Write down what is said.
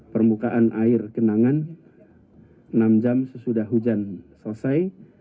permukaan air kenangan enam jam sesudah hujan selesai